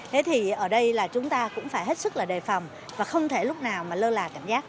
thế thì ở đây là chúng ta cũng phải hết sức là đề phòng và không thể lúc nào mà lơ là cảm giác